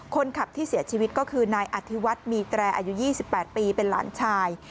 คนขับที่เสียชีวิตก็คือนายอธิวัฒน์มีแตรอายุ๒๘ปีเป็นหลานชาย